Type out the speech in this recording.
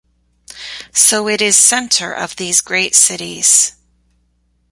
So it is center of these great cities.